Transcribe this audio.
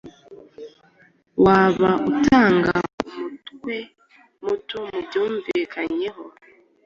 Waba utanga umutwe muto mubyumvikanyeho